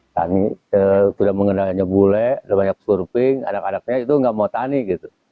tani sudah mengenalnya bule banyak surfing adak adaknya itu nggak mau tani gitu